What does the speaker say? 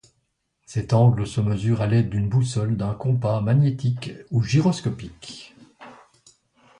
Cet angle se mesure à l'aide d'une boussole, d'un compas magnétique ou gyroscopique.